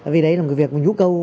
vì đấy là một cái nhu cầu